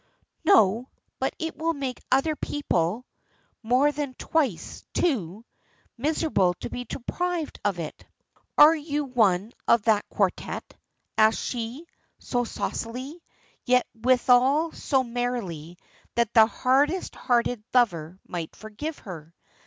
"No, but it will make other people (more than twice two) miserable to be deprived of it." "Are you one of that quartette?" asks she, so saucily, yet withal so merrily that the hardest hearted lover might forgive her.